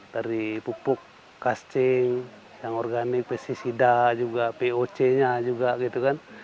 dari pupuk kascing yang organik pesticida juga poc nya juga gitu kan